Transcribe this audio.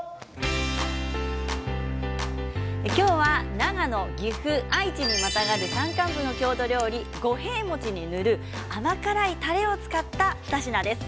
今日は長野、岐阜、愛知にまたがる山間部の郷土料理五平餅に塗る甘辛いたれを使った２品です。